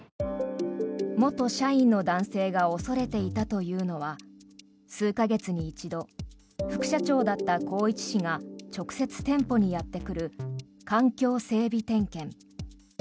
元社員の男性が恐れていたというのは数か月に一度副社長だった宏一氏が直接店舗にやってくる環境整備点検。